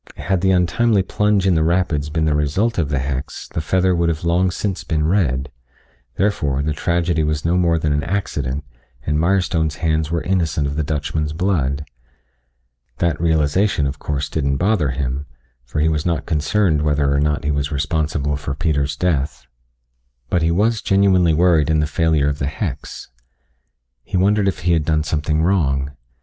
Had the untimely plunge in the rapids been the result of the hex the feather would have long since been red, therefore, the tragedy was no more than an accident and Mirestone's hands were innocent of the Dutchman's blood. That realization, of course, didn't bother him, for he was not concerned whether or not he was responsible for Peter's death, but he was genuinely worried in the failure of the hex. He wondered if he had done something wrong.